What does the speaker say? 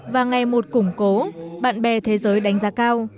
và ngày một củng cố bạn bè thế giới đánh giá cao